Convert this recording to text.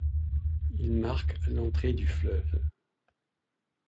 Il marque l'entrée du fleuve.